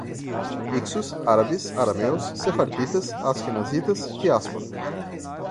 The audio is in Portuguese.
Hicsos, árabes, arameus, sefarditas, asquenazitas, diáspora